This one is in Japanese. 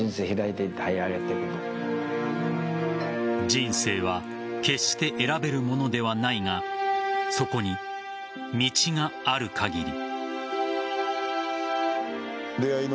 人生は決して選べるものではないがそこに道がある限り。